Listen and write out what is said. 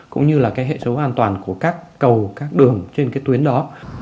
cũng như là cái hệ số an toàn của các cầu các đường trên cái tuyến đó